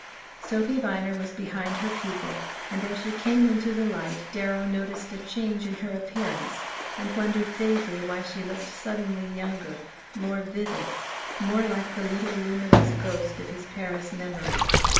Sophy Viner was behind her pupil, and as she came into the light Darrow noticed a change in her appearance and wondered vaguely why she looked suddenly younger, more vivid, more like the little luminous ghost of his Paris memories.